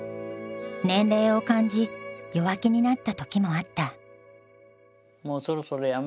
年齢を感じ弱気になった時もあった。